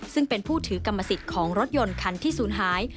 ซึ่งเป็นผู้ถือกรรมสิทธิ์ของรถยนต์คันที่ศูนย์หาย